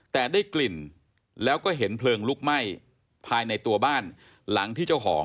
แต่ได้กลิ่นแล้วก็เห็นเพลิงลุกไหม้ภายในตัวบ้านหลังที่เจ้าของ